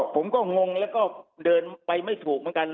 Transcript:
ผมก็งงแล้วก็เดินไปไม่ถูกเหมือนกัน